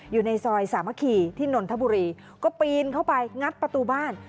อยู่ในซอยสามัคคีที่นนทบุรีก็ปีนเข้าไปงัดประตูบ้าน